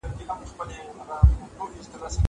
زه به سبا انځورونه رسم کوم!!